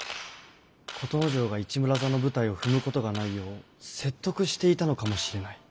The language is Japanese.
琴之丞が市村座の舞台を踏むことがないよう説得していたのかもしれない。